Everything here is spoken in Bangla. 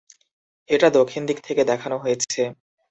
এটা দক্ষিণ দিক থেকে দেখানো হয়েছে।